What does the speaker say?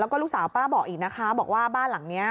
แล้วก็ลูกสาวป้าบอกอีกนะคะบอกว่าบ้านหลังนี้